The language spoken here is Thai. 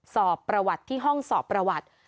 สอบประวัติที่ห้องสอบประวัติ